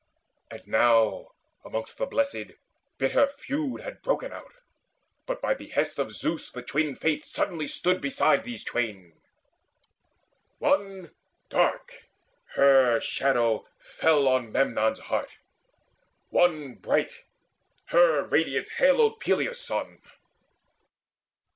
And now amongst the Blessed bitter feud Had broken out; but by behest of Zeus The twin Fates suddenly stood beside these twain, One dark her shadow fell on Memnon's heart; One bright her radiance haloed Peleus' son.